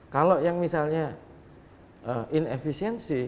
kalau yang misalnya ineffisiensi